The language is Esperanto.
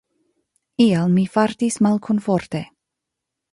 Ial mi fartis malkomforte.